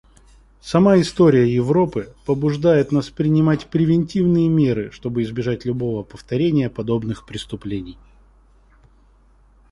Сама история Европы побуждает нас принимать превентивные меры, чтобы избежать любого повторения подобных преступлений.